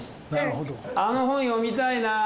あの本読みたいなぁ。